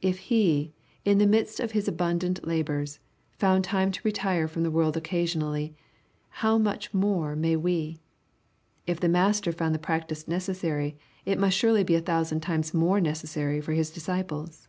If He, in the midst of His abundant labors, found time to retire from the world occasionally, how much more may we ? If the Master found the practice necessary, it must surely be a thousand times more necessary for His disciples.